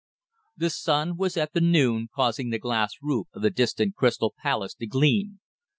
The sun was at the noon causing the glass roof of the distant Crystal Palace to gleam.